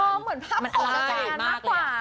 อ๋อเหมือนภาพวันเกิดมากกว่า